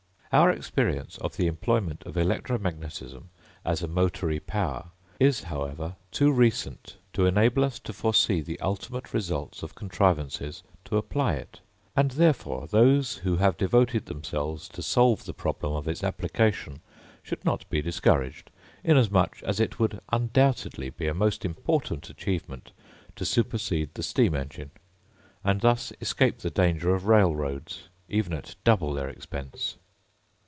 Our experience of the employment of electro magnetism as a motory power is, however, too recent to enable us to foresee the ultimate results of contrivances to apply it; and, therefore, those who have devoted themselves to solve the problem of its application should not be discouraged, inasmuch as it would undoubtedly be a most important achievement to supersede the steam engine, and thus escape the danger of railroads, even at double their expense.